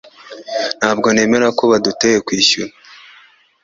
Ntabwo nemera ko baduteye kwishyura